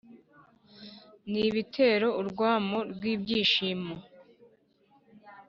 nibitere urwamo rw’ibyishimo,